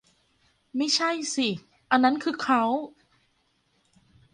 ไม่ใช่สิ อันนั้นคือเคาน์